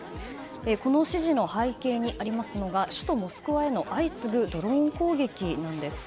この指示の背景にありますのが首都モスクワへの相次ぐドローン攻撃なんです。